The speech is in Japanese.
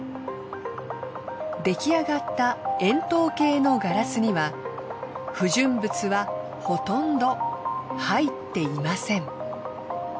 出来上がった円筒形のガラスには不純物はほとんど入っていません。